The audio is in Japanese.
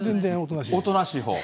おとなしいほう。